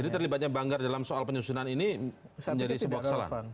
jadi terlibatnya banggar dalam soal penyusunan ini menjadi sebokselan